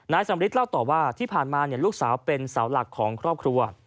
สำริทเล่าต่อว่าที่ผ่านมาลูกสาวเป็นเสาหลักของครอบครัว